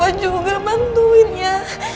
papa juga bantuin ya